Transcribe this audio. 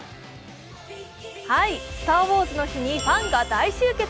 「スター・ウォーズ」の日にファンが大集結。